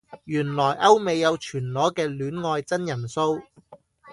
原來歐美有全裸嘅戀愛真人騷